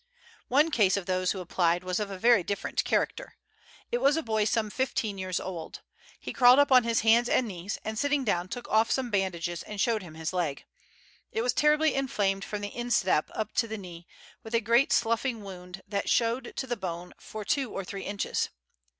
One case of those who applied was of a very different character. It was a boy some fifteen years old. He crawled up on his hands and knees, and sitting down took off some bandages and showed him his leg. It was terribly inflamed from the instep up to the knee, with a great sloughing wound that showed the bone for two or three inches.